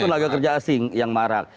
itu tenaga kerja asing yang marak